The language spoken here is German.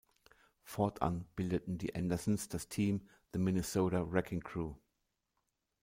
Fortan bildeten die „Andersons“ das Team "The Minnesota Wrecking Crew".